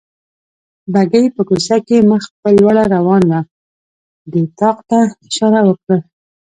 بګۍ په کوڅه کې مخ په لوړه روانه وه، دې طاق ته اشاره وکړل.